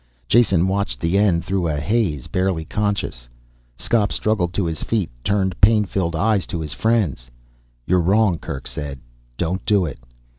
Jason watched the end through a haze, barely conscious. Skop struggled to his feet, turned pain filled eyes to his friends. "You're wrong," Kerk said. "Don't do it."